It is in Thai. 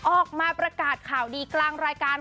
ออกมาประกาศข่าวดีกลางรายการ